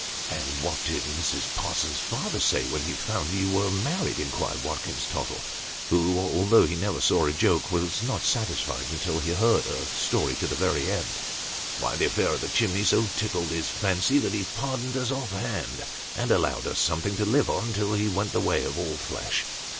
" And what did Mrs. Parsons's father say, when he found you were married?" inquired Watkins Tottle, who, although he never saw a joke, was not satisfied until he heard a story to the very end. " Why, the affair of the chimney so tickled his fancy, that he pardoned us off hand, and allowed us something to live on till he went the way of all flesh.